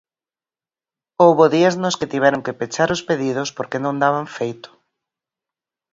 Houbo días nos que tiveron que pechar os pedidos porque non daban feito.